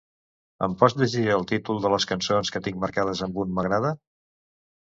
Em pots llegir el títol de les cançons que tinc marcades amb un m'agrada?